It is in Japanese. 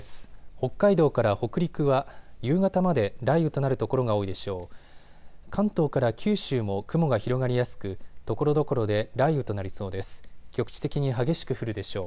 北海道から北陸は夕方まで雷雨となる所が多いでしょう。